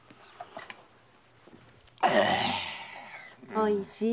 おいしい？